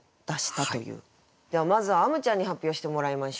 ではまずはあむちゃんに発表してもらいましょう。